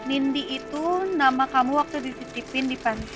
nindi itu nomu waktu dititip di panti